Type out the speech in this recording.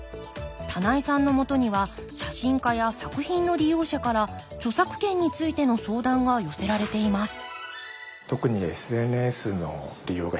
棚井さんのもとには写真家や作品の利用者から著作権についての相談が寄せられています